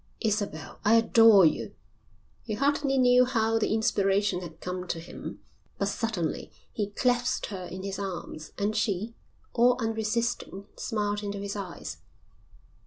"Isabel, I adore you." He hardly knew how the inspiration had come to him, but suddenly he clasped her in his arms, and she, all unresisting, smiled into his eyes.